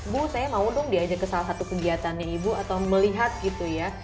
bu saya mau dong diajak ke salah satu kegiatannya ibu atau melihat gitu ya